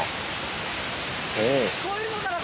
聞こえるのかな